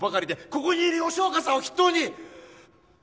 ここにいる吉岡さんを筆頭に！